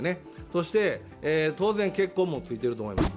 そして、当然、血痕もついていると思います。